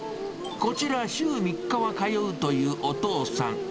こちら、週３日は通うというお父さん。